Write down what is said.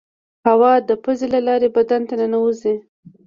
هوا د پزې له لارې بدن ته ننوزي.